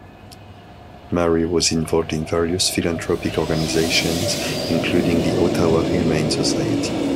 Mary was involved in various philanthropic organizations including the Ottawa Humane Society.